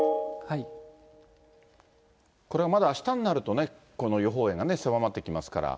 これはまだあしたになるとね、この予報円が狭まってきますから。